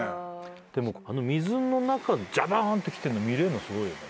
でもあの水の中ジャボンって来てるの見れるのすごいよね。